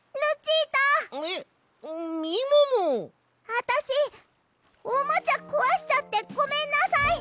あたしおもちゃこわしちゃってごめんなさい！